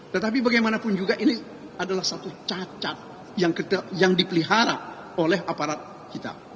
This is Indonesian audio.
tetapi bagaimanapun juga ini adalah satu cacat yang dipelihara oleh aparat kita